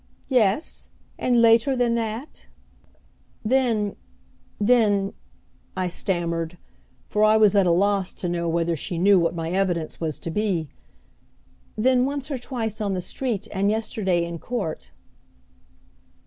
"Yes, and later than that?" "Then, then," I stammered, for I was at a loss to know whether she knew what my evidence was to be, "then once or twice on the street, and yesterday in court."